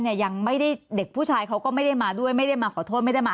ยังไม่ได้เด็กผู้ชายเขาก็ไม่ได้มาด้วยไม่ได้มาขอโทษไม่ได้มา